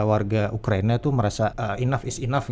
warga ukraina itu merasa enough is enough